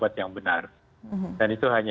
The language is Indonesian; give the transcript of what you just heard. buat yang benar dan itu hanya